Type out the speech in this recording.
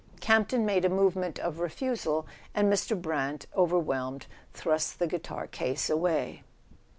Campton made a movement of refusal, and Mr. Brant, overwhelmed, thrust the cigar case away.